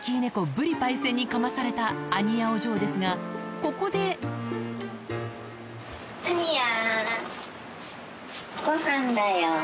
ぶりパイセンにかまされたアニヤお嬢ですがここでアニヤ。